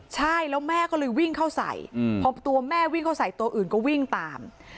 ใช่แล้วแม่ก็เลยวิ่งเข้าใส่พอตัวแม่วิ่งเข้าใส่ตัวอื่นก็วิ่งตาม